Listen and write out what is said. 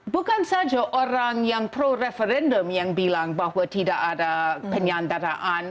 bukan saja orang yang pro referendum yang bilang bahwa tidak ada penyandaraan